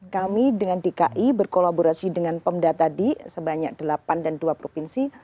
kami dengan dki berkolaborasi dengan pemda tadi sebanyak delapan dan dua provinsi